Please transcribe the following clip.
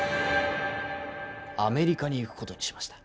アメリカに行くことにしました。